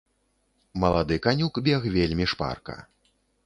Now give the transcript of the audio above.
Малады канюк бег вельмі шпарка.